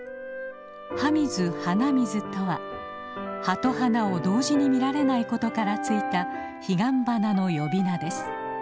葉見ず花見ずとは葉と花を同時に見られないことから付いたヒガンバナの呼び名です。